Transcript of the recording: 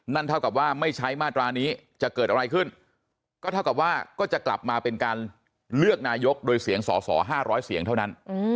เท่ากับว่าไม่ใช้มาตรานี้จะเกิดอะไรขึ้นก็เท่ากับว่าก็จะกลับมาเป็นการเลือกนายกโดยเสียงสอสอ๕๐๐เสียงเท่านั้น